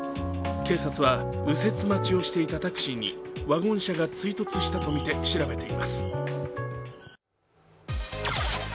警察は右折待ちをしていたタクシーにワゴン車が追突したとみて調べています。